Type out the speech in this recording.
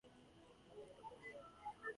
His mother was Norwegian.